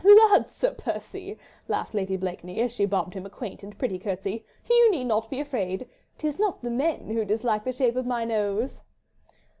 "Lud, Sir Percy!" laughed Lady Blakeney as she bobbed him a quaint and pretty curtsey, "you need not be afraid! 'Tis not the men who dislike the shape of my nose."